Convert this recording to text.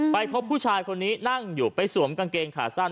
ไปพบผู้ชายคนนี้นั่งอยู่ไปสวมกางเกงขาสั้น